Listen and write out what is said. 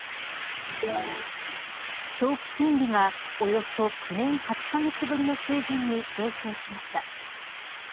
長期金利がおよそ９年８カ月ぶりの水準に上昇しました。